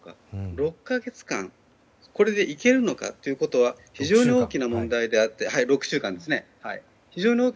６週間これでいけるのかということは非常に大きな問題であってですね